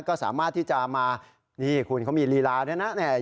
ก็สามารถที่จะมานี่คุณเขามีลีลาเนี่ยนะเนี่ย